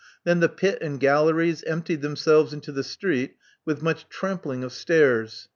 Then the pit and galleries emptied themselves into the street with much tramp ling of stairs.